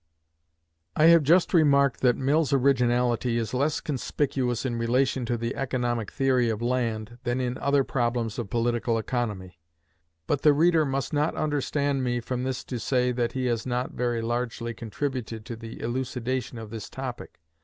I have just remarked that Mill's originality is less conspicuous in relation to the economic theory of land than in other problems of political economy, but the reader must not understand me from this to say, that he has not very largely contributed to the elucidation of this topic.